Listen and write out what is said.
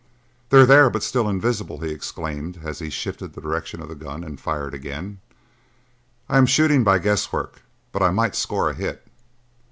"They're there but still invisible," he exclaimed as he shifted the direction of the gun and fired again. "I am shooting by guess work, but I might score a hit."